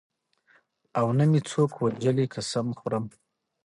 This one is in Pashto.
او نه مې څوک وژلي قسم خورم.